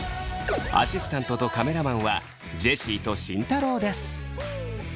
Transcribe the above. アシスタントとカメラマンはジェシーと慎太郎です。